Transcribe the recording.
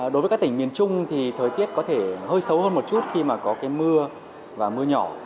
đối với các tỉnh miền trung thì thời tiết có thể hơi xấu hơn một chút khi mà có mưa và mưa nhỏ